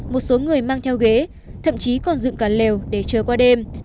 một số người mang theo ghế thậm chí còn dựng cả lều để chờ qua đêm